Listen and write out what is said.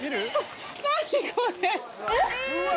何これ。